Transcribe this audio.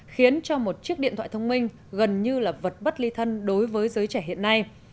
khiến cho một chiếc điện thoại thông minh gần như là vật bất ly thân đối với giới trẻ hiện nay